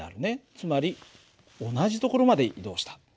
つまり同じ所まで移動した。